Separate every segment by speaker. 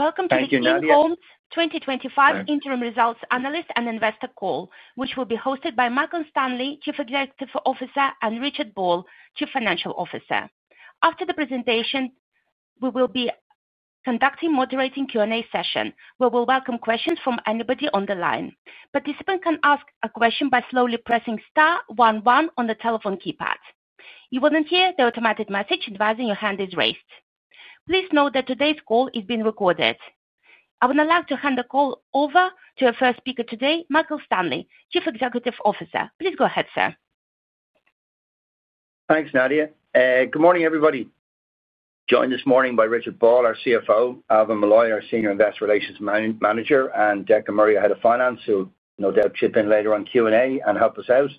Speaker 1: Welcome to the Cairn Homes 2025 Interim Results Analyst and Investor Call, which will be hosted by Michael Stanley, Chief Executive Officer, and Richard Ball, Chief Financial Officer. After the presentation, we will be conducting a moderated Q&A session where we'll welcome questions from anybody on the line. Participants can ask a question by slowly pressing Star, one, one on the telephone keypad. You will then hear the automated message advising your hand is raised. Please note that today's call is being recorded. I would now like to hand the call over to our first speaker today, Michael Stanley, Chief Executive Officer. Please go ahead, sir.
Speaker 2: Thanks, Nadia. Good morning, everybody. Joined this morning by Richard Ball, our CFO, Alvin Maloy, our Senior Investor Relations Manager, and Deca Murray, our Head of Finance, who no doubt chip in later on Q&A and help us out.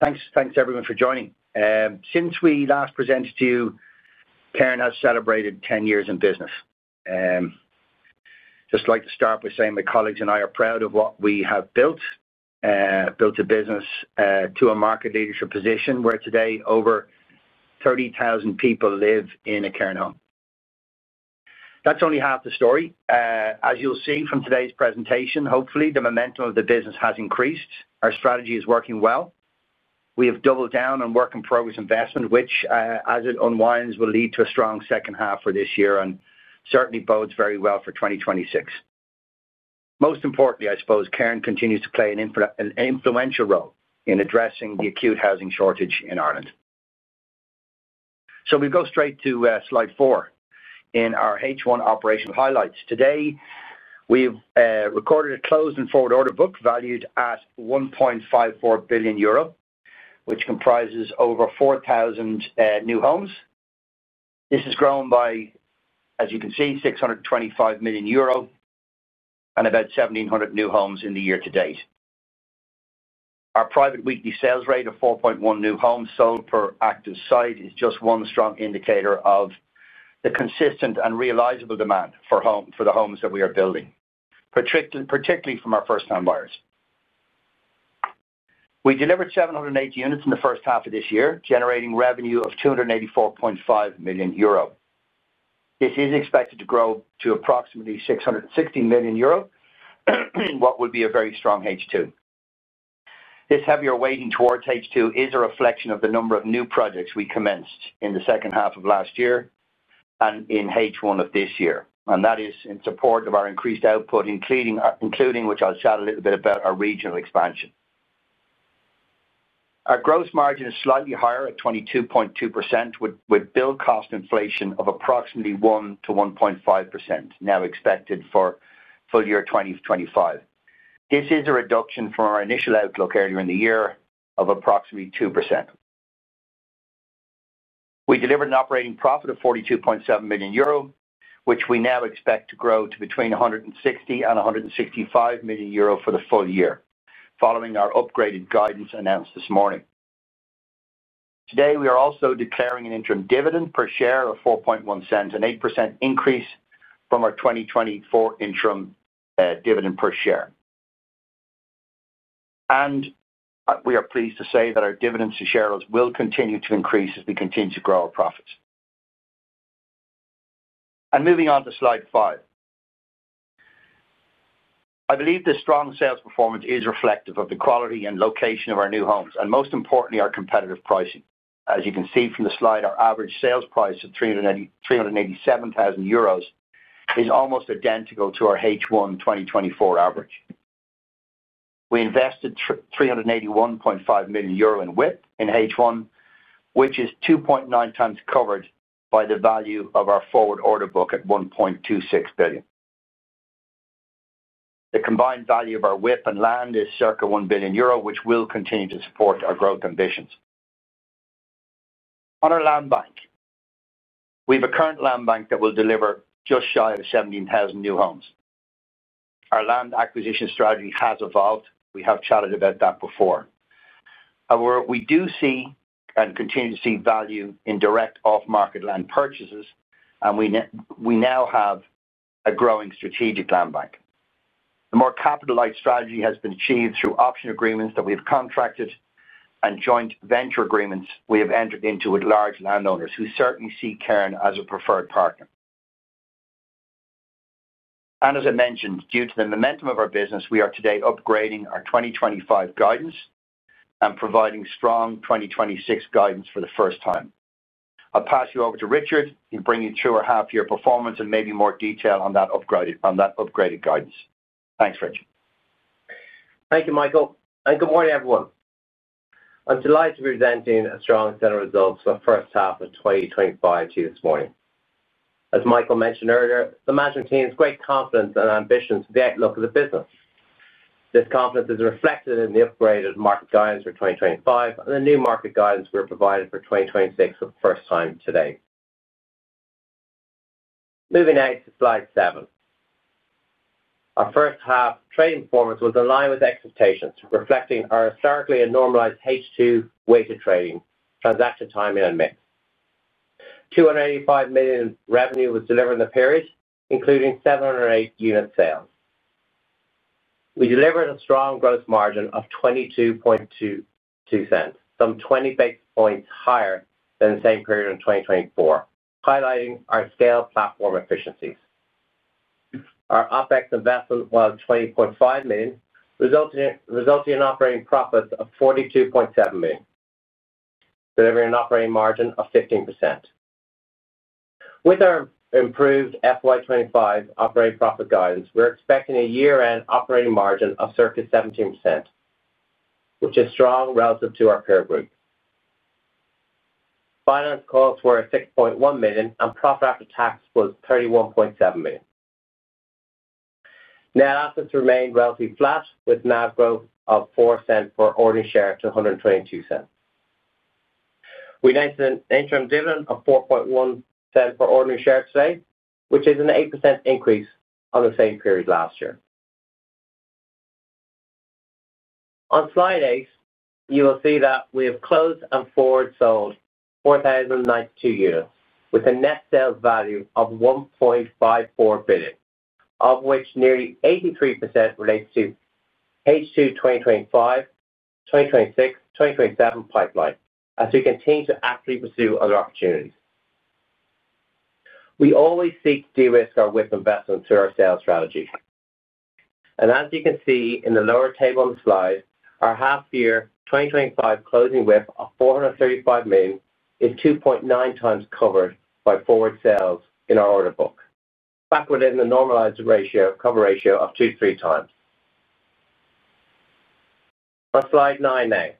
Speaker 2: Thanks, thanks everyone for joining. Since we last presented to you, Cairn has celebrated 10 years in business. I'd just like to start by saying my colleagues and I are proud of what we have built. We built a business to a market leadership position where today over 30,000 people live in a Cairn home. That's only half the story. As you'll see from today's presentation, hopefully the momentum of the business has increased. Our strategy is working well. We have doubled down on work-in-progress investment, which, as it unwinds, will lead to a strong second half for this year and certainly bodes very well for 2026. Most importantly, I suppose Cairn continues to play an influential role in addressing the acute housing shortage in Ireland. We'll go straight to slide four in our H1 operational highlights. Today, we've recorded a closed and forward order book valued at €1.54 billion, which comprises over 4,000 new homes. This has grown by, as you can see, €625 million and about 1,700 new homes in the year to date. Our private weekly sales rate of 4.1 new homes sold per active site is just one strong indicator of the consistent and realizable demand for the homes that we are building, particularly from our first-time buyers. We delivered 780 units in the first half of this year, generating revenue of €284.5 million. This is expected to grow to approximately €660 million, what would be a very strong H2. This heavier weighting towards H2 is a reflection of the number of new projects we commenced in the second half of last year and in H1 of this year, and that is in support of our increased output, including which I'll chat a little bit about our regional expansion. Our gross margin is slightly higher at 22.2%, with build cost inflation of approximately 1%- 1.5% now expected for full year 2025. This is a reduction from our initial outlook earlier in the year of approximately 2%. We delivered an operating profit of €42.7 million, which we now expect to grow to between €160 million and €165 million for the full year following our upgraded guidance announced this morning. Today, we are also declaring an interim dividend per share of €0.041, an 8% increase from our 2024 interim dividend per share. We are pleased to say that our dividends to shareholders will continue to increase as we continue to grow our profits. Moving on to slide five, I believe the strong sales performance is reflective of the quality and location of our new homes and, most importantly, our competitive pricing. As you can see from the slide, our average sales price of €387,000 is almost identical to our H1 2024 average. We invested €381.5 million in WIP in H1, which is 2.9x covered by the value of our forward order book at €1.26 billion. The combined value of our WIP and land is circa €1 billion, which will continue to support our growth ambitions. On our land bank, we have a current land bank that will deliver just shy of 17,000 new homes. Our land acquisition strategy has evolved. We have chatted about that before. However, we do see and continue to see value in direct off-market land purchases, and we now have a growing strategic land bank. The more capital-light strategy has been achieved through option agreements that we have contracted and joint venture agreements we have entered into with large landowners who certainly see Cairn as a preferred partner. As I mentioned, due to the momentum of our business, we are today upgrading our 2025 guidance and providing strong 2026 guidance for the first time. I'll pass you over to Richard. He'll bring you through our half-year performance and maybe more detail on that upgraded guidance. Thanks, Richard.
Speaker 3: Thank you, Michael, and good morning, everyone. I'm delighted to be presenting a strong set of results for the first half of 2025 to you this morning. As Michael mentioned earlier, they maintained great confidence and ambition to get a look at the business. This confidence is reflected in the upgraded market guidance for 2025 and the new market guidance we're providing for 2026 for the first time today. Moving next to slide seven, our first half trading performance was in line with expectations, reflecting our historically normalized H2 weighted trading transaction timing and mix. €285 million revenue was delivered in the period, including 708 unit sales. We delivered a strong gross margin of 22.22%, some 20 basis points higher than the same period in 2024, highlighting our scale platform efficiencies. Our OpEx investment was €20.5 million, resulting in operating profits of €42.7 million, delivering an operating margin of 15%. With our improved FY 2025 operating profit guidance, we're expecting a year-end operating margin of circa 17%, which is strong relative to our peer group. Finance costs were at €6.1 million, and profit after tax was €31.7 million. Net assets remained relatively flat, with an average growth of €0.04 per ordinary share to €1.22. We noted an interim dividend of €0.041 per ordinary share today, which is an 8% increase on the same period last year. On slide eight, you will see that we have closed and forward sold 4,092 units with a net sales value of €1.54 billion, of which nearly 83% relates to H2 2025, 2026, 2027 pipeline, as we continue to actively pursue other opportunities. We always seek to de-risk our WIP investment through our sales strategy. As you can see in the lower table on the slide, our half-year 2025 closing WIP of €435 million is 2.9x covered by forward sales in our order book, back within the normalized cover ratio of 2x-3x. On slide 9 A,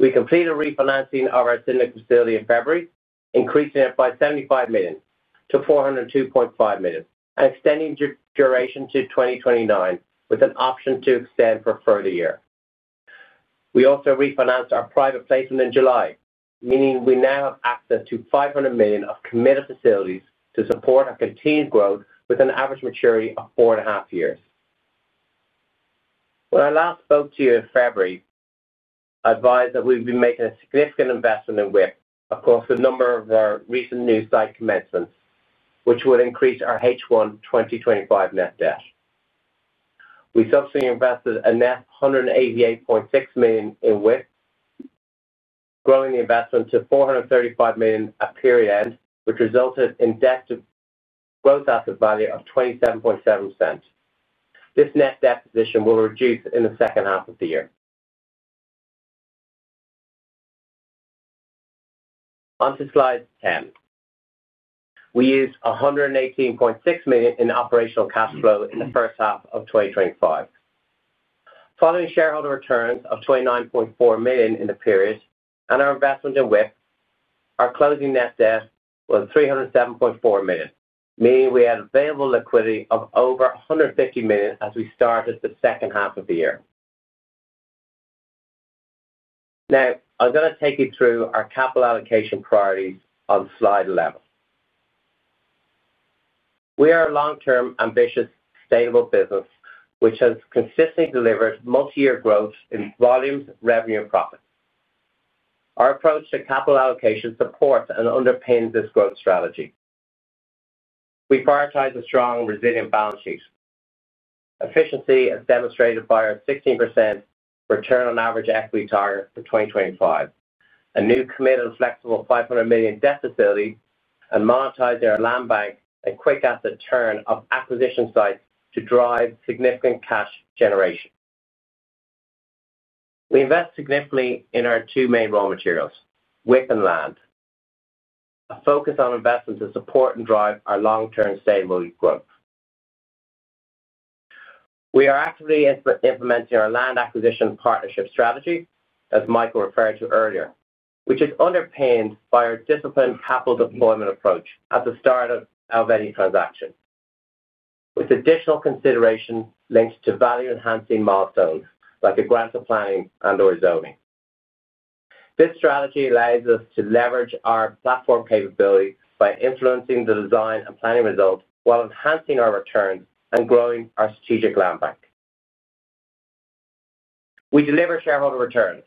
Speaker 3: we completed refinancing of our syndicate facility in February, increasing it by €75 million- €402.5 million and extending duration to 2029 with an option to extend for a further year. We also refinanced our private placement in July, meaning we now have access to €500 million of committed facilities to support our continued growth with an average maturity of four and a half years. When I last spoke to you in February, I advised that we'd be making a significant investment in WIP across a number of our recent new site commencements, which would increase our H1 2025 net debt. We subsequently invested a net €188.6 million in WIP, growing the investment to €435 million at period end, which resulted in debt to gross asset value of $0.277. This net debt position will reduce in the second half of the year. Onto slide 10, we used €118.6 million in operational cash flow in the first half of 2025. Following shareholder returns of €29.4 million in the period and our investment in WIP, our closing net debt was €307.4 million, meaning we had available liquidity of over €150 million as we started the second half of the year. Now, I'm going to take you through our capital allocation priorities on slide 11. We are a long-term, ambitious, sustainable business which has consistently delivered multi-year growth in volumes, revenue, and profits. Our approach to capital allocation supports and underpins this growth strategy. We prioritize a strong, resilient balance sheet. Efficiency is demonstrated by our 16% return on average equity target for 2025, a new committed flexible €500 million debt facility, and monetizing our land bank and quick asset turn of acquisition sites to drive significant cash generation. We invest significantly in our two main raw materials, WIP and land, a focus on investment to support and drive our long-term sustainability growth. We are actively implementing our land acquisition partnership strategy, as Michael referred to earlier, which is underpinned by our disciplined capital deployment approach at the start of our venue transaction, with additional considerations linked to value-enhancing milestones like a grant to planning and/or zoning. This strategy allows us to leverage our platform capability by influencing the design and planning results while enhancing our returns and growing our strategic land bank. We deliver shareholder returns.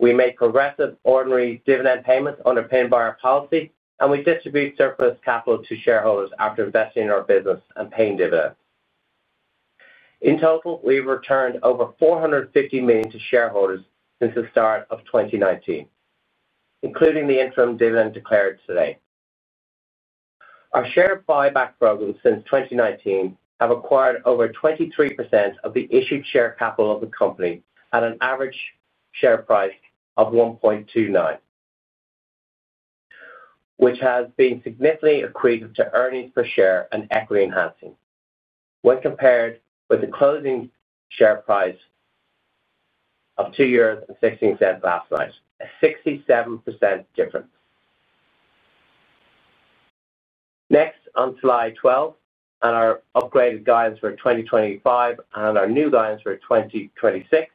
Speaker 3: We make progressive ordinary dividend payments under paying buyer policy, and we distribute surplus capital to shareholders after investing in our business and paying dividends. In total, we've returned over €450 million to shareholders since the start of 2019, including the interim dividend declared today. Our share buyback programs since 2019 have acquired over 23% of the issued share capital of the company at an average share price of €1.29, which has been significantly equated to earnings per share and equity enhancement when compared with the closing share price of €2.60 last night, a 67% difference. Next, on slide 12, and our upgraded guidance for 2025 and our new guidance for 2026,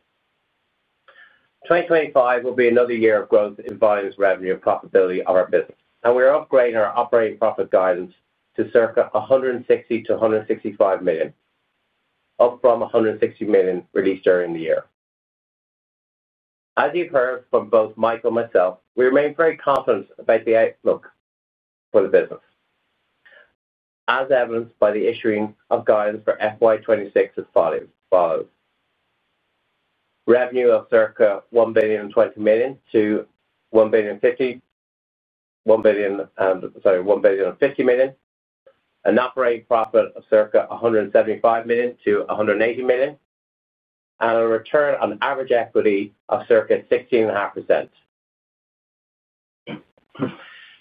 Speaker 3: 2025 will be another year of growth in volumes, revenue, and profitability of our business. We're upgrading our operating profit guidance to circa €160 million- €165 million, up from €160 million released earlier in the year. As you've heard from both Michael and myself, we remain very confident about the outlook for the business, as evidenced by the issuing of guidance for FY 2026 as follows. Revenue of circa €1.20 billion- €1.50 billion, an operating profit of circa €175 million- €180 million, and a return on average equity of circa 16.5%.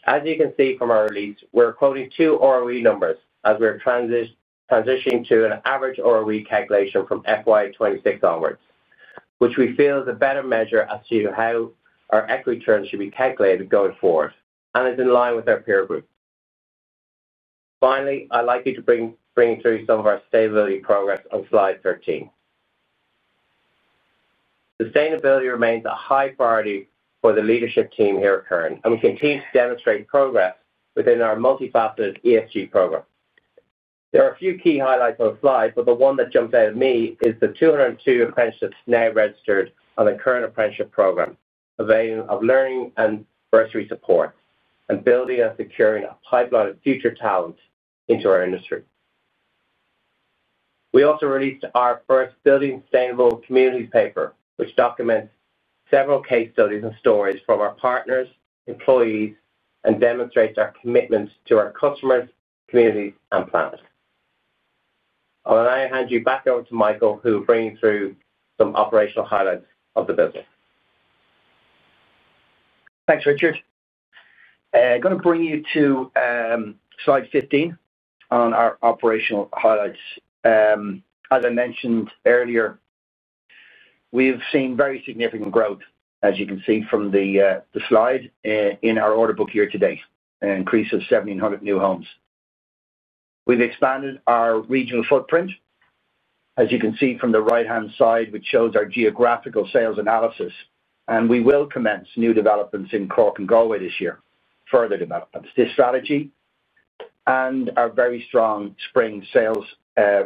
Speaker 3: As you can see from our release, we're quoting two ROE numbers as we're transitioning to an average ROE calculation from FY 2026 onward, which we feel is a better measure as to how our equity returns should be calculated going forward and is in line with our peer group. Finally, I'd like you to bring through some of our sustainability progress on slide 13. Sustainability remains a high priority for the leadership team here at Cairn, and we continue to demonstrate progress within our multifaceted ESG program. There are a few key highlights on the slide, but the one that jumps out at me is the 202 apprenticeships now registered on the Cairn Apprenticeship program, a vein of learning and bursary support, and building and securing a pipeline of future talent into our industry. We also released our first Building Sustainable Communities paper, which documents several case studies and stories from our partners, employees, and demonstrates our commitment to our customers, communities, and planet. I'll now hand you back over to Michael, who will bring you through some operational highlights of the business.
Speaker 2: Thanks, Richard. I'm going to bring you to slide 15 on our operational highlights. As I mentioned earlier, we've seen very significant growth, as you can see from the slide, in our order book year- to- date, an increase of 1,700 new homes. We've expanded our regional footprint, as you can see from the right-hand side, which shows our geographical sales analysis, and we will commence new developments in Cork and Galway this year, further developments. This strategy and our very strong spring sales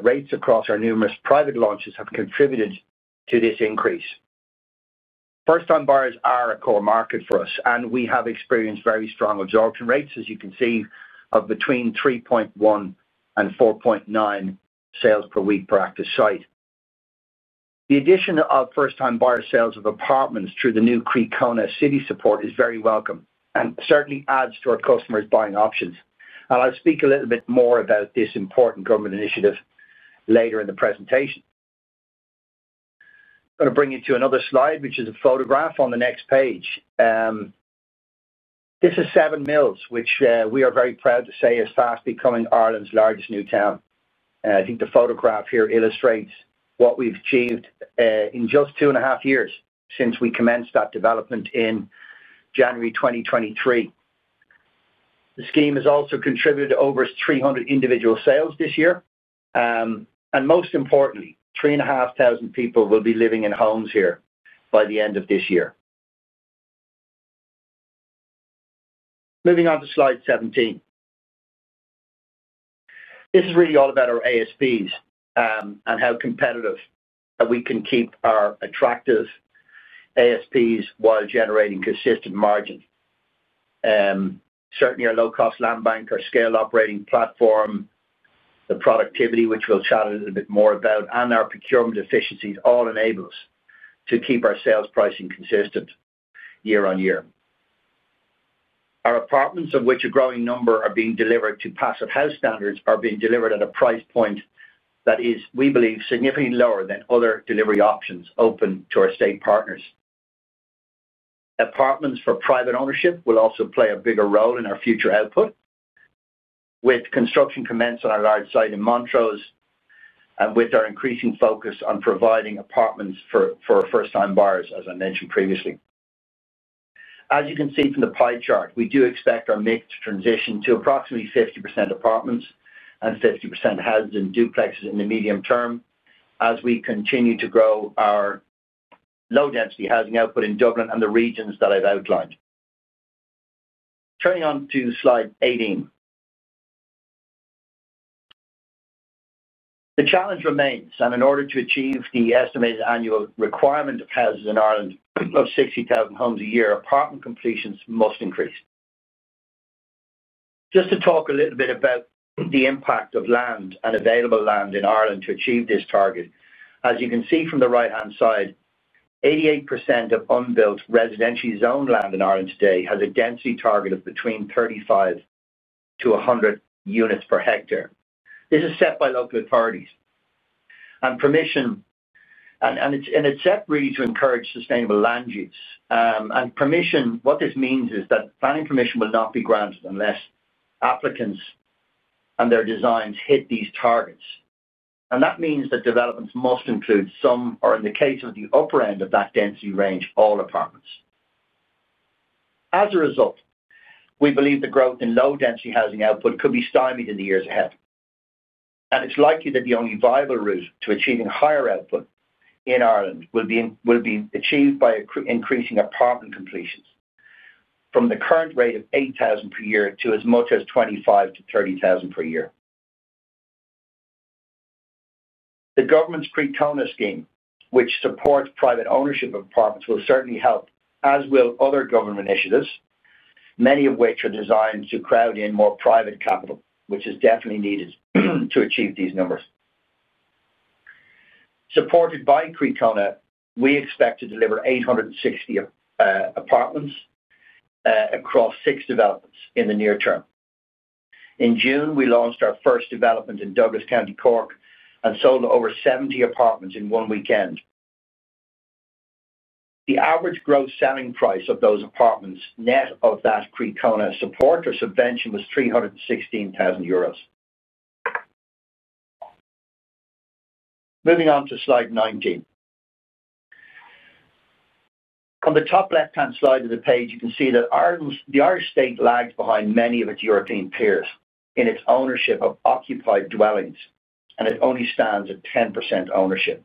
Speaker 2: rates across our numerous private launches have contributed to this increase. First-time buyers are a core market for us, and we have experienced very strong absorption rates, as you can see, of between 3.1 and 4.9 sales per week per active site. The addition of first-time buyer sales of apartments through the new Croí Cónaithe (Cities) scheme support is very welcome and certainly adds to our customers' buying options. I'll speak a little bit more about this important government initiative later in the presentation. I'm going to bring you to another slide, which is a photograph on the next page. This is Seven Mills, which we are very proud to say is fast becoming Ireland's largest new town. I think the photograph here illustrates what we've achieved in just two and a half years since we commenced that development in January 2023. The scheme has also contributed over 300 individual sales this year, and most importantly, 3,500 people will be living in homes here by the end of this year. Moving on to slide 17, this is really all about our average selling prices and how competitive we can keep our attractive average selling prices while generating consistent margins. Certainly, our low-cost land bank, our scale operating platform, the productivity, which we'll chat a little bit more about, and our procurement efficiencies all enable us to keep our sales pricing consistent year- on- year. Our apartments, of which a growing number are being delivered to passive house standards, are being delivered at a price point that is, we believe, significantly lower than other delivery options open to our state partners. Apartments for private ownership will also play a bigger role in our future output, with construction commenced on our large site in Montrose and with our increasing focus on providing apartments for first-time buyers, as I mentioned previously. As you can see from the pie chart, we do expect our mix to transition to approximately 50% apartments and 50% housing duplexes in the medium term as we continue to grow our low-density housing output in Dublin and the regions that I've outlined. Turning on to slide 18, the challenge remains, and in order to achieve the estimated annual requirement of houses in Ireland of 60,000 homes a year, apartment completions must increase. Just to talk a little bit about the impact of land and available land in Ireland to achieve this target, as you can see from the right-hand side, 88% of unbuilt residential zoned land in Ireland today has a density target of between 35- 100 units per hectare. This is set by local authorities and permission, and it's set really to encourage sustainable land use. What this means is that planning permission will not be granted unless applicants and their designs hit these targets. That means that developments must include some, or in the case of the upper end of that density range, all apartments. As a result, we believe the growth in low-density housing output could be stymied in the years ahead. It's likely that the only viable route to achieving higher output in Ireland will be achieved by increasing apartment completions from the current rate of 8,000 per year to as much as 25,000- 30,000 per year. The government's Croí Cónaithe (Cities) scheme, which supports private ownership of apartments, will certainly help, as will other government initiatives, many of which are designed to crowd in more private capital, which is definitely needed to achieve these numbers. Supported by Croí Cónaithe, we expect to deliver 860 apartments across six developments in the near term. In June, we launched our first development in Douglas County, Cork, and sold over 70 apartments in one weekend. The average gross selling price of those apartments net of that Croí Cónaithe support or subvention was €316,000. Moving on to slide 19. On the top left-hand side of the page, you can see that Ireland's state lags behind many of its European peers in its ownership of occupied dwellings, and it only stands at 10% ownership.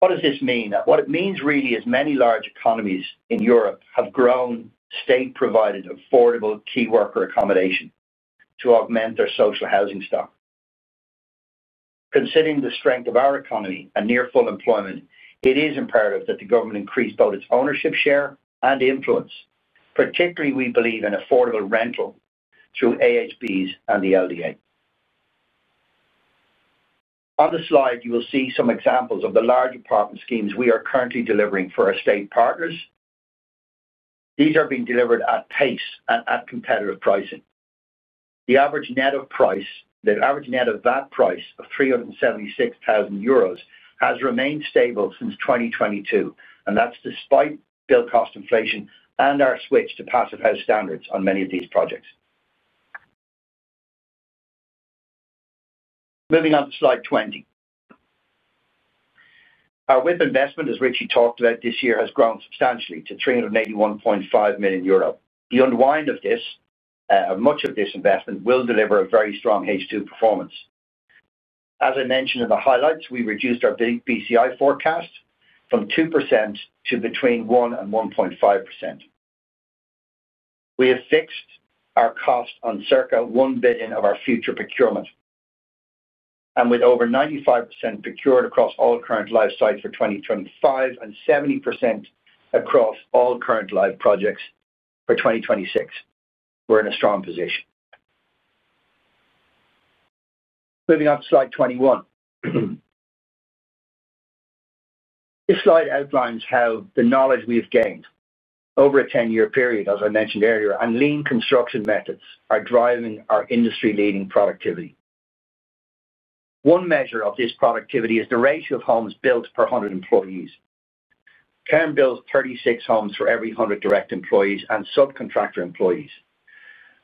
Speaker 2: What does this mean? What it means really is many large economies in Europe have grown state-provided affordable key worker accommodation to augment their social housing stock. Considering the strength of our economy and near full employment, it is imperative that the government increase both its ownership share and influence. Particularly, we believe in affordable rental through AHBs and the LDA. On the slide, you will see some examples of the large apartment schemes we are currently delivering for our state partners. These are being delivered at pace and at competitive pricing. The average net of that price of €376,000 has remained stable since 2022, and that's despite build cost inflation and our switch to passive house standards on many of these projects. Moving on to slide 20, our WIP investment, as Richard talked about this year, has grown substantially to €381.5 million. The unwind of this, much of this investment, will deliver a very strong H2 performance. As I mentioned in the highlights, we reduced our BCI forecast from 2%- between 1% and 1.5%. We have fixed our cost on circa €1 billion of our future procurement, and with over 95% procured across all current live sites for 2025 and 70% across all current live projects for 2026, we're in a strong position. Moving on to slide 21, this slide outlines how the knowledge we have gained over a 10-year period, as I mentioned earlier, and lean construction methods are driving our industry-leading productivity. One measure of this productivity is the ratio of homes built per 100 employees. Cairn builds 36 homes for every 100 direct employees and subcontractor employees,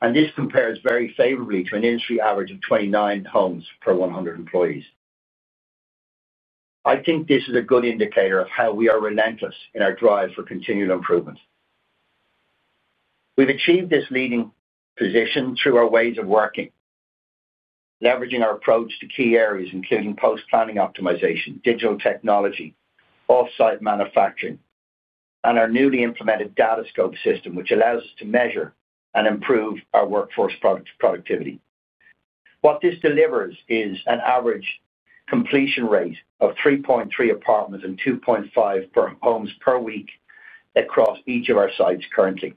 Speaker 2: and this compares very favorably to an industry average of 29 homes per 100 employees. I think this is a good indicator of how we are relentless in our drive for continual improvement. We've achieved this leading position through our ways of working, leveraging our approach to key areas, including post-planning optimization, digital technology, offsite manufacturing, and our newly implemented data scope system, which allows us to measure and improve our workforce productivity. What this delivers is an average completion rate of 3.3 apartments and 2.5 homes per week across each of our sites currently.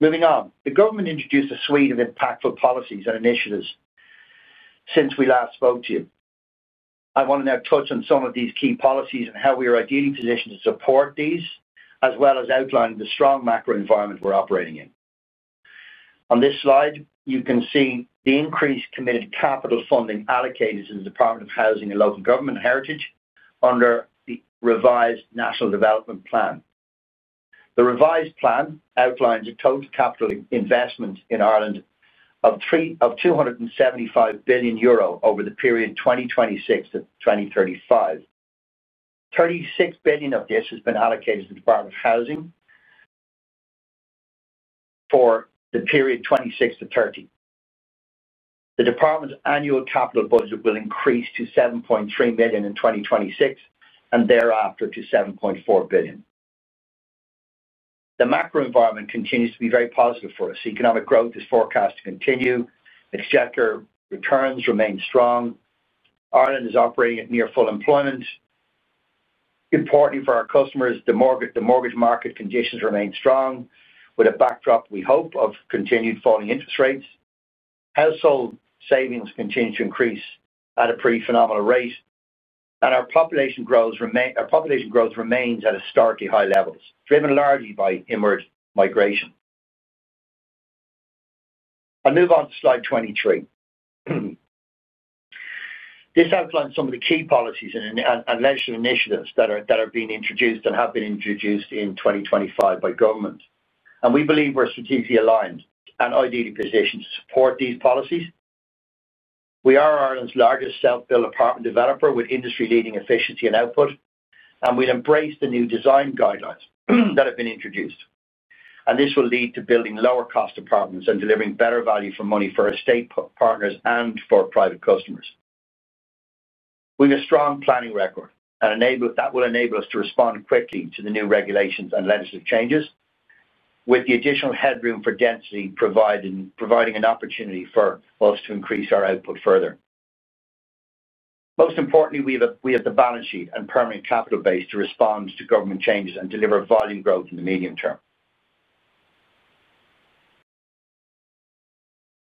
Speaker 2: Moving on, the government introduced a suite of impactful policies and initiatives since we last spoke to you. I want to now touch on some of these key policies and how we are ideally positioned to support these, as well as outline the strong macro environment we're operating in. On this slide, you can see the increased committed capital funding allocated to the Department of Housing and Local Government Heritage under the revised National Development Plan. The revised plan outlines a total capital investment in Ireland of €275 billion over the period 2026 - 2035. €36 billion of this has been allocated to the Department of Housing for the period 2026- 2030. The Department's annual capital budget will increase to €7.3 billion in 2026 and thereafter to €7.4 billion. The macro environment continues to be very positive for us. Economic growth is forecast to continue. Extractor returns remain strong. Ireland is operating at near full employment. Importantly for our customers, the mortgage market conditions remain strong with a backdrop, we hope, of continued falling interest rates. Household savings continue to increase at a pretty phenomenal rate, and our population growth remains at historically high levels, driven largely by inward migration. I'll move on to slide 23. This outlines some of the key policies and legislative initiatives that are being introduced and have been introduced in 2025 by government. We believe we're strategically aligned and ideally positioned to support these policies. We are Ireland's largest self-built apartment developer with industry-leading efficiency and output, and we'll embrace the new design guidelines that have been introduced. This will lead to building lower-cost apartments and delivering better value for money for our state partners and for private customers. We have a strong planning record, and that will enable us to respond quickly to the new regulations and legislative changes, with the additional headroom for density providing an opportunity for us to increase our output further. Most importantly, we have the balance sheet and permanent capital base to respond to government changes and deliver volume growth in the medium term.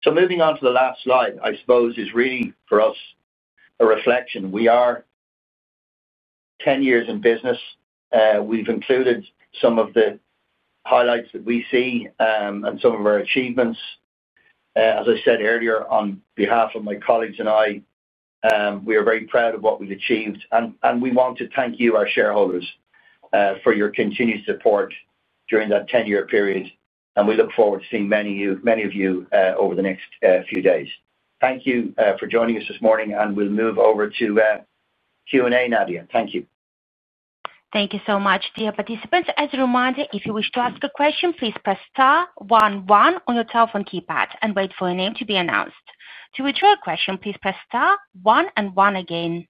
Speaker 2: Moving on to the last slide, I suppose, is really for us a reflection. We are 10 years in business. We've included some of the highlights that we see and some of our achievements. As I said earlier, on behalf of my colleagues and I, we are very proud of what we've achieved, and we want to thank you, our shareholders, for your continued support during that 10-year period. We look forward to seeing many of you over the next few days. Thank you for joining us this morning, and we'll move over to Q&A, Nadia. Thank you.
Speaker 1: Thank you so much, dear participants. As a reminder, if you wish to ask a question, please press Star, one, one on your telephone keypad and wait for your name to be announced. To withdraw a question, please press Star, one and one again.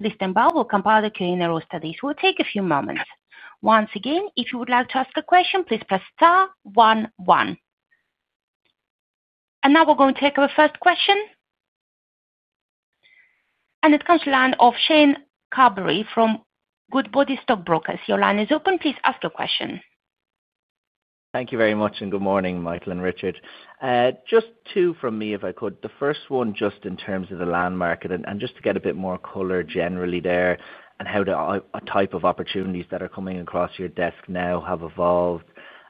Speaker 1: Listening Bell will compile the Q&A roster. This will take a few moments. Once again, if you would like to ask a question, please press Star, one, one. We are going to take our first question. It comes to the line of Shane Doherty from Goodbody Stockbrokers UC. Your line is open. Please ask your question.
Speaker 4: Thank you very much, and good morning, Michael and Richard. Just two from me, if I could. The first one just in terms of the land market, and just to get a bit more color generally there and how the type of opportunities that are coming across your desk now have evolved.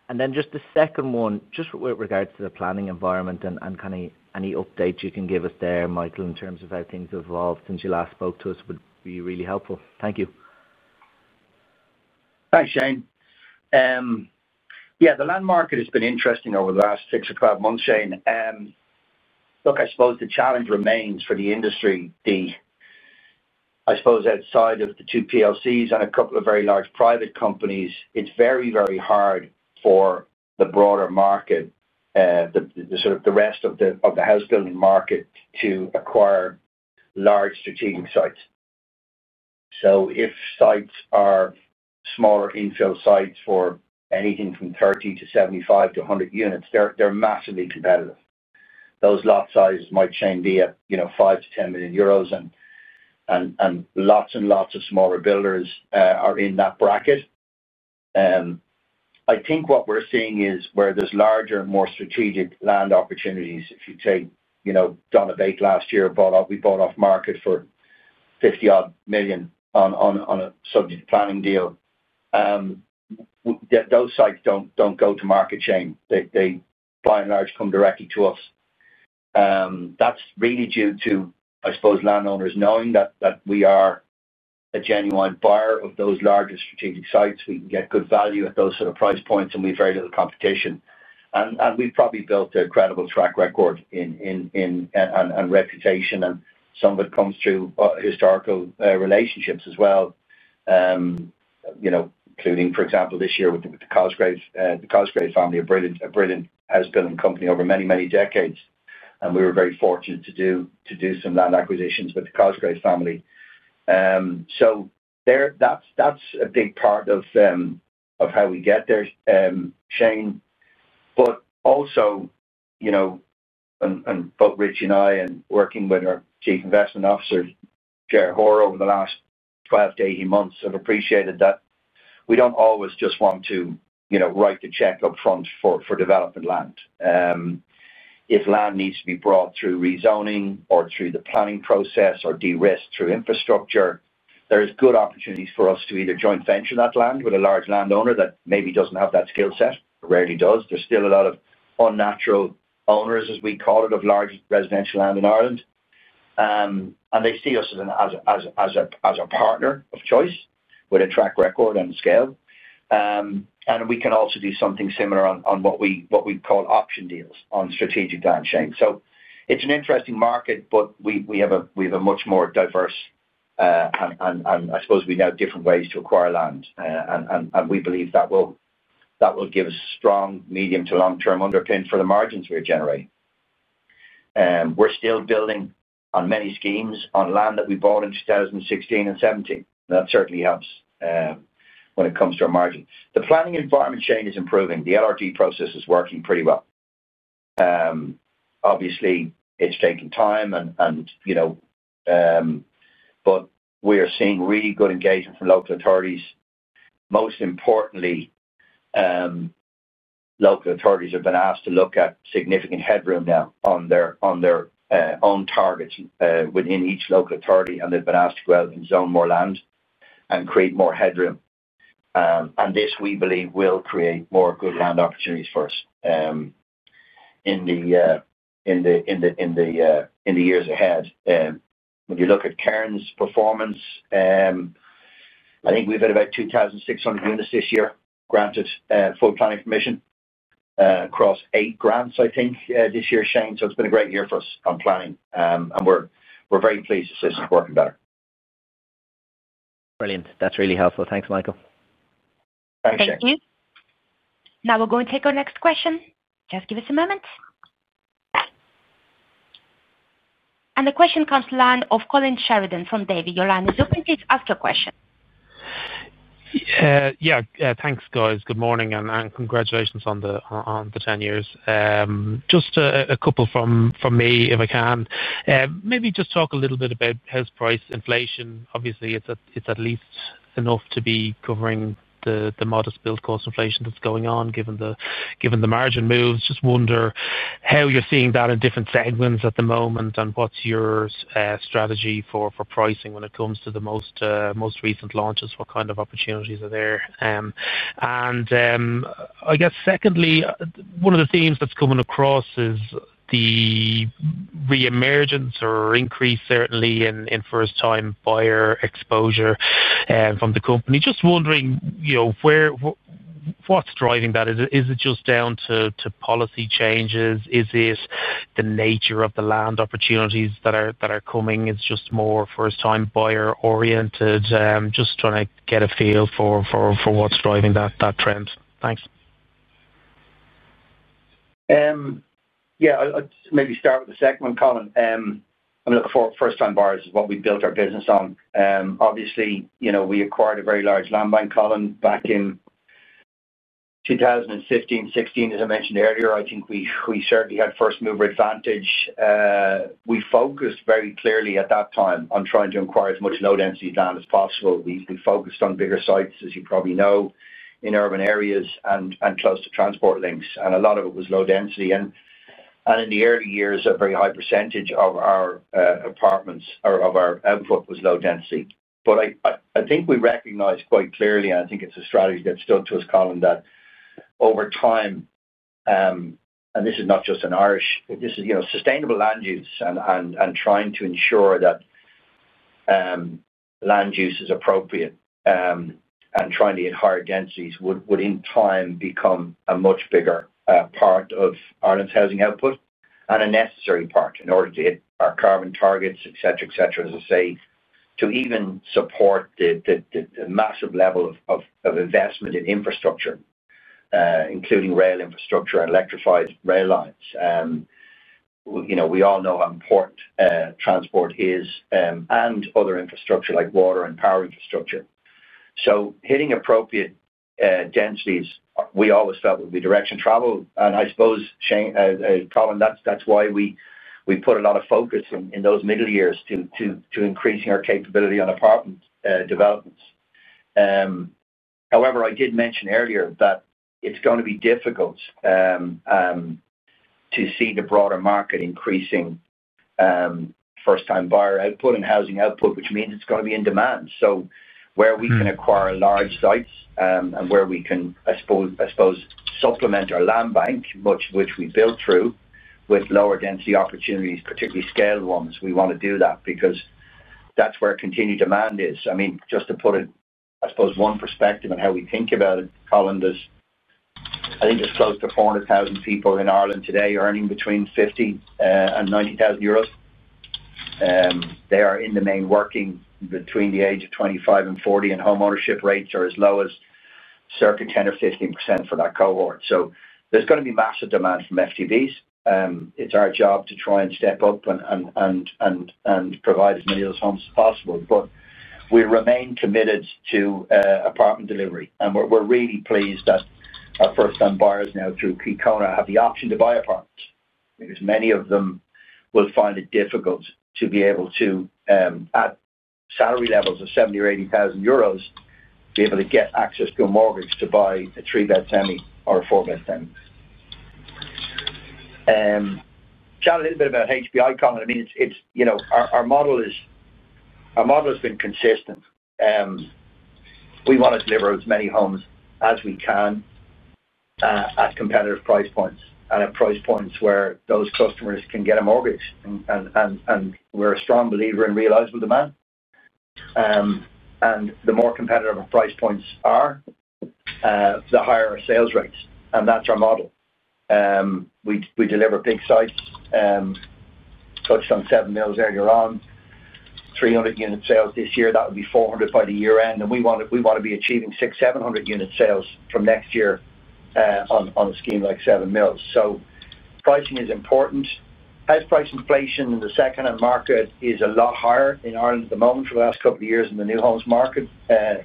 Speaker 4: The second one, just with regards to the planning environment and kind of any updates you can give us there, Michael, in terms of how things have evolved since you last spoke to us would be really helpful. Thank you.
Speaker 2: Thanks, Shane. Yeah, the land market has been interesting over the last six or 12 months, Shane. Look, I suppose the challenge remains for the industry. I suppose outside of the two PLCs and a couple of very large private companies, it's very, very hard for the broader market, the sort of the rest of the house building market, to acquire large strategic sites. If sites are smaller infill sites for anything from 30- 75- 100 units, they're massively competitive. Those lot sizes might change to €5 million- €10 million, and lots and lots of smaller builders are in that bracket. I think what we're seeing is where there's larger and more strategic land opportunities. If you take, you know, Donovate last year, we bought off market for €50 million on a subject planning deal. Those sites don't go to market, Shane. They by and large come directly to us. That's really due to, I suppose, landowners knowing that we are a genuine buyer of those larger strategic sites. We can get good value at those sort of price points, and we have very little competition. We've probably built a credible track record and reputation, and some of it comes through historical relationships as well, including, for example, this year with the Cosgrave family. The Cosgrave family is a brilliant house building company over many, many decades, and we were very fortunate to do some land acquisitions with the Cosgrave family. That's a big part of how we get there, Shane. Also, both Rich and I, and working with our Chief Investment Officer, Gerry Horr, over the last 12 months- 18 months, have appreciated that we don't always just want to write the check up front for development land. If land needs to be brought through rezoning or through the planning process or de-risked through infrastructure, there are good opportunities for us to either joint venture that land with a large landowner that maybe doesn't have that skill set, rarely does. There's still a lot of unnatural owners, as we call it, of large residential land in Ireland, and they see us as a partner of choice with a track record and scale. We can also do something similar on what we call option deals on strategic land, Shane. It's an interesting market, but we have a much more diverse, and I suppose we now have different ways to acquire land, and we believe that will give us strong medium to long-term underpinnings for the margins we're generating. We're still building on many schemes on land that we bought in 2016 and 2017. That certainly helps when it comes to our margin. The planning environment, Shane, is improving. The LRT process is working pretty well. Obviously, it's taking time, but we are seeing really good engagement from local authorities. Most importantly, local authorities have been asked to look at significant headroom now on their own targets within each local authority, and they've been asked to go out and zone more land and create more headroom. This, we believe, will create more good land opportunities for us in the years ahead. When you look at Cairn's performance, I think we've had about 2,600 units this year granted full planning permission across eight grants, I think, this year, Shane. It's been a great year for us on planning, and we're very pleased to see us working better.
Speaker 4: Brilliant. That's really helpful. Thanks, Michael.
Speaker 2: Thanks, Shane.
Speaker 1: Thank you. Now we're going to take our next question. Just give us a moment. The question comes to the line of Colin Sheridan from Davy. Your line is open. Please ask your question.
Speaker 5: Yeah. Thanks, guys. Good morning, and congratulations on the 10 years. Just a couple from me, if I can. Maybe just talk a little bit about house price inflation. Obviously, it's at least enough to be covering the modest build cost inflation that's going on, given the margin moves. I just wonder how you're seeing that in different segments at the moment, and what's your strategy for pricing when it comes to the most recent launches? What kind of opportunities are there? I guess, secondly, one of the themes that's coming across is the re-emergence or increase, certainly, in first-time buyer exposure from the company. Just wondering, you know, what's driving that? Is it just down to policy changes? Is this the nature of the land opportunities that are coming? Is it just more first-time buyer-oriented? Just trying to get a feel for what's driving that trend. Thanks.
Speaker 2: I'll maybe start with the second one, Colin. I mean, look, for first-time buyers is what we built our business on. Obviously, you know, we acquired a very large land bank, Colin, back in 2015-2016, as I mentioned earlier. I think we certainly had first-mover advantage. We focused very clearly at that time on trying to acquire as much low-density land as possible. We focused on bigger sites, as you probably know, in urban areas and close to transport links, and a lot of it was low density. In the early years, a very high percentage of our apartments or of our output was low density. I think we recognized quite clearly, and I think it's a strategy that stood to us, Colin, that over time, and this is not just in Irish, this is, you know, sustainable land use and trying to ensure that land use is appropriate and trying to hit higher densities would, in time, become a much bigger part of Ireland's housing output and a necessary part in order to hit our carbon targets, etc., etc., as I say, to even support the massive level of investment in infrastructure, including rail infrastructure and electrified rail lines. We all know how important transport is and other infrastructure like water and power infrastructure. Hitting appropriate densities, we always felt, would be direction travel. I suppose, Colin, that's why we put a lot of focus in those middle years to increasing our capability on apartment developments. However, I did mention earlier that it's going to be difficult to see the broader market increasing first-time buyer output and housing output, which means it's going to be in demand. Where we can acquire large sites and where we can, I suppose, supplement our land bank, much of which we built through with lower density opportunities, particularly scale ones, we want to do that because that's where continued demand is. I mean, just to put it, I suppose, one perspective on how we think about it, Colin, I think there's close to 400,000 people in Ireland today earning between €15,000 and €90,000. They are in the main working between the age of 25 and 40, and homeownership rates are as low as circa 10% or 15% for that cohort. There's going to be massive demand from first-time buyers. It's our job to try and step up and provide as many of those homes as possible. We remain committed to apartment delivery, and we're really pleased that our first-time buyers now through Croí Cónaithe (Cities) scheme have the option to buy apartments because many of them will find it difficult to be able to, at salary levels of €70,000 or €80,000, be able to get access to a mortgage to buy a three-bed semi or a four-bed semi. Chat a little bit about HBI, Colin. Our model has been consistent. We want to deliver as many homes as we can at competitive price points and at price points where those customers can get a mortgage. We're a strong believer in realizable demand. The more competitive our price points are, the higher our sales rates, and that's our model. We deliver big sites, close to Seven Mills earlier on, 300 unit sales this year. That would be 400 by the year end. We want to be achieving six, seven hundred unit sales from next year on a scheme like Seven Mills. Pricing is important. House price inflation in the second-hand market is a lot higher in Ireland at the moment for the last couple of years in the new homes market. I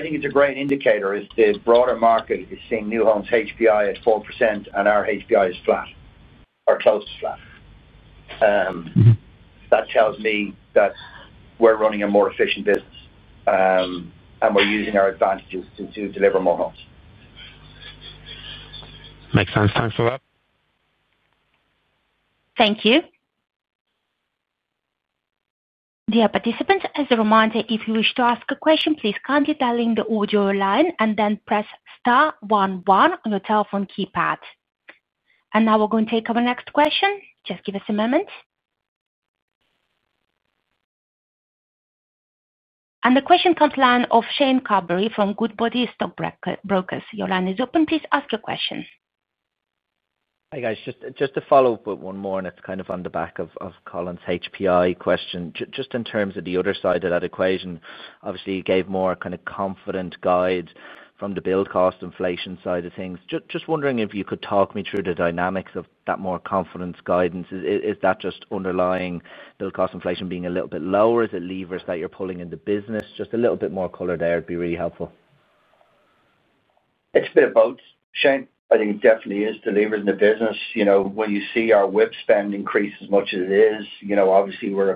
Speaker 2: think it's a great indicator if the broader market is seeing new homes HBI at 4% and our HBI is flat or close to flat. That tells me that we're running a more efficient business and we're using our advantages to deliver more homes. Makes sense. Thanks for that.
Speaker 1: Thank you. Dear participants, as a reminder, if you wish to ask a question, please kindly dial in the audio line and then press Star, one, one on your telephone keypad. Now we're going to take our next question. Just give us a moment. The question comes to the line of Shane Carberry from Goodbody Stockbrokers UC. Your line is open. Please ask your question.
Speaker 4: Hey, guys. Just to follow up with one more, and it's kind of on the back of Colin's HPI question. Just in terms of the other side of that equation, obviously, you gave more kind of confident guides from the build cost inflation side of things. Just wondering if you could talk me through the dynamics of that more confidence guidance. Is that just underlying build cost inflation being a little bit lower? Is it levers that you're pulling in the business? Just a little bit more color there would be really helpful.
Speaker 2: It's a bit of both, Shane. I think it definitely is the levers in the business. When you see our WIP spend increase as much as it is, obviously, we're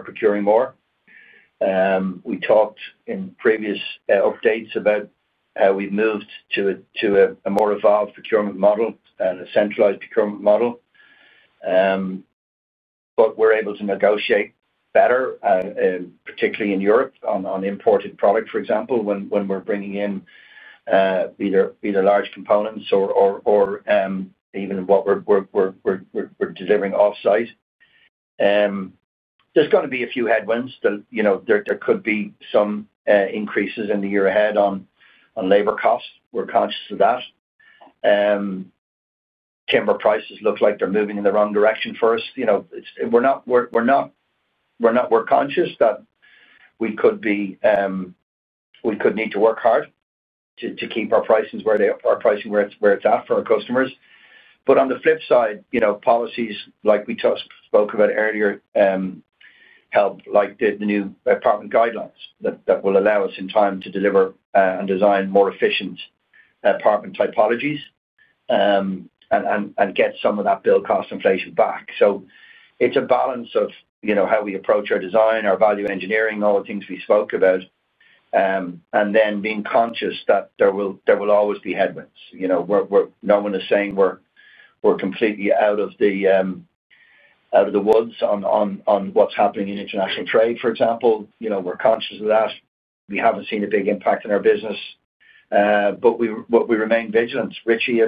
Speaker 2: procuring more. We talked in previous updates about how we've moved to a more evolved procurement model and a centralized procurement model. We're able to negotiate better, particularly in Europe, on imported product, for example, when we're bringing in either large components or even what we're delivering offsite. There are going to be a few headwinds. There could be some increases in the year ahead on labor costs. We're conscious of that. Timber prices look like they're moving in the wrong direction for us. We're conscious that we could need to work hard to keep our pricing where it's at for our customers. On the flip side, policies like we spoke about earlier help, like the new apartment guidelines that will allow us in time to deliver and design more efficient apartment typologies and get some of that build cost inflation back. It's a balance of how we approach our design, our value engineering, all the things we spoke about, and then being conscious that there will always be headwinds. No one is saying we're completely out of the woods on what's happening in international trade, for example. We're conscious of that. We haven't seen a big impact in our business, but we remain vigilant. Richie,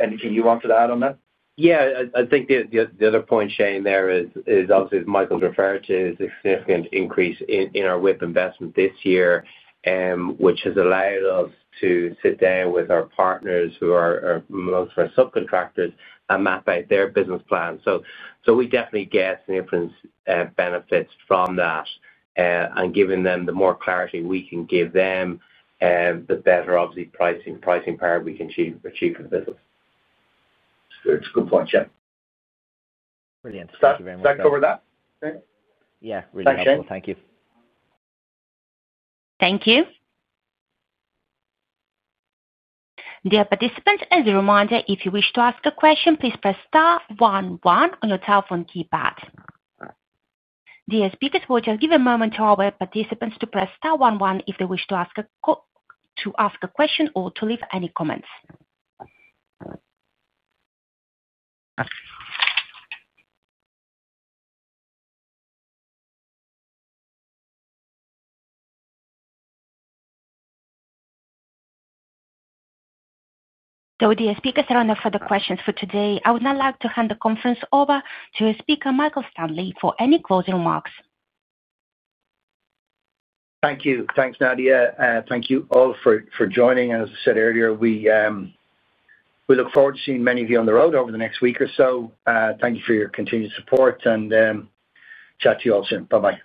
Speaker 2: anything you wanted to add on that?
Speaker 3: Yeah, I think the other point, Shane, there is, obviously, as Michael's referred to, is a significant increase in our WIP investment this year, which has allowed us to sit down with our partners, who are most of our subcontractors, and map out their business plan. We definitely get some different benefits from that. Giving them the more clarity we can give them, the better, obviously, pricing power we can achieve in the business.
Speaker 2: That's a good point, Shane.
Speaker 4: Brilliant. Thank you very much.
Speaker 2: Thanks for that.
Speaker 4: Yeah, really helpful. Thank you.
Speaker 1: Thank you. Dear participants, as a reminder, if you wish to ask a question, please press Star, one, one on your telephone keypad. Dear speakers, we'll just give a moment to our participants to press Star, one, one if they wish to ask a question or to leave any comments. Dear speakers, there are no further questions for today. I would now like to hand the conference over to our speaker, Michael Stanley, for any closing remarks.
Speaker 2: Thank you. Thanks, Nadia. Thank you all for joining. As I said earlier, we look forward to seeing many of you on the road over the next week or so. Thank you for your continued support, and chat to you all soon. Bye-bye.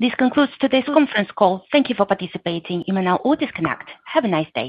Speaker 1: This concludes today's conference call. Thank you for participating. You may now all disconnect. Have a nice day.